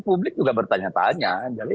publik juga bertanya tanya